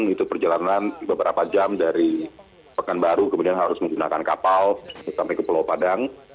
itu perjalanan beberapa jam dari pekanbaru kemudian harus menggunakan kapal sampai ke pulau padang